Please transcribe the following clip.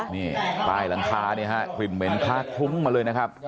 นี่ใต้หลังคาเนี่ยครับควิมเม้นทรักทุ้งมาเลยนะครับ